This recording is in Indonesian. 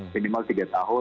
minimal tiga tahun